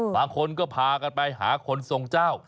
บางคนก็พากันไปหาคนทรงเจ้า